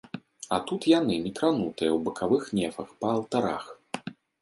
А тут яны, некранутыя, у бакавых нефах, па алтарах!